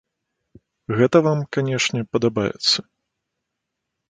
Гэта вам, канечне, падабаецца.